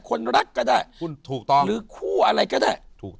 คนรักก็ได้หรือคู่อะไรก็ได้